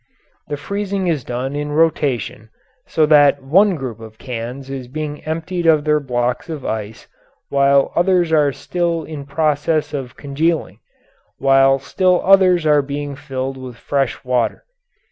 The freezing is done in rotation, so that one group of cans is being emptied of their blocks of ice while others are still in process of congealing, while still others are being filled with fresh water.